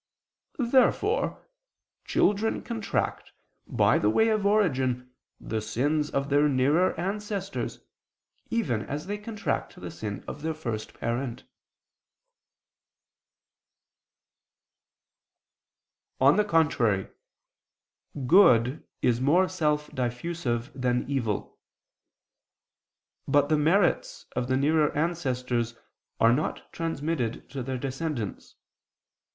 Therefore children contract, by the way of origin, the sins of their nearer ancestors, even as they contract the sin of their first parent. On the contrary, Good is more self diffusive than evil. But the merits of the nearer ancestors are not transmitted to their descendants.